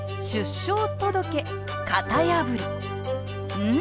うん！